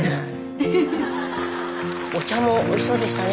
お茶もおいしそうでしたね。